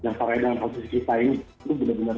tidak kata bilang gila gila ini ini kayak gini sih hidupnya sih